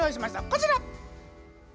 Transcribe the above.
こちら！